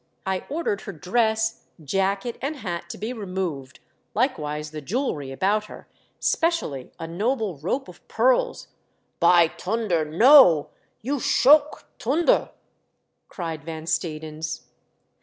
I ordered her dress, jacket and hat to be removed, likewise the jewellery about her — specially a noble rope of pearls "" By toonder, no ! You shoke, Toonder !" cried Van Stadens.